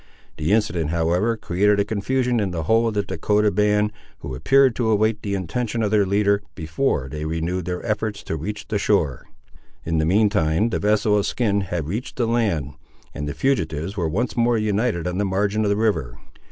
The incident, however, created a confusion in the whole of the Dahcotah band, who appeared to await the intention of their leader, before they renewed their efforts to reach the shore. In the mean time the vessel of skin had reached the land, and the fugitives were once more united on the margin of the river.